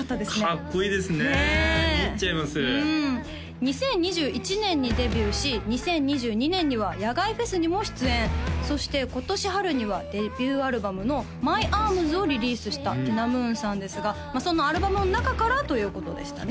かっこいいですね見入っちゃいますうん２０２１年にデビューし２０２２年には野外フェスにも出演そして今年春にはデビューアルバムの「ＭＹＡＲＭＳ．」をリリースしたＴｉｎａＭｏｏｎさんですがそのアルバムの中からということでしたね